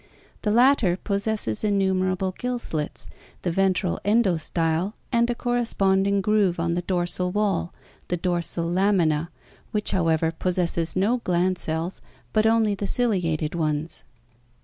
The latter possesses innumerable gill slits, the ventral endostyle, and a corresponding groove on the dorsal wall, the dorsal lamina, which, how ever, possesses no gland cells but only the ciliated ones.